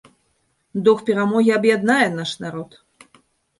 Дух перамогі аб'яднае наш народ!